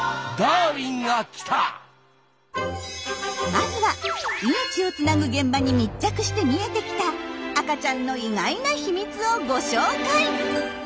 まずは命をつなぐ現場に密着して見えてきた赤ちゃんの意外な秘密をご紹介。